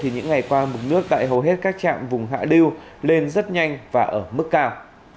những ngày qua mực nước tại hầu hết các trạm vùng hạ lưu lên rất nhanh và ở mức cao